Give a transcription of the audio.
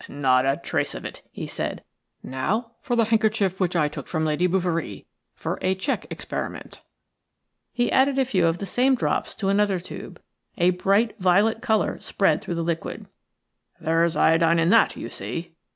"Not a trace of it," he said. "Now for the handkerchief which I took from Lady Bouverie for a check experiment." He added a few of the same drops to another tube. A bright violet colour spread through the liquid. "There's iodine in that, you see.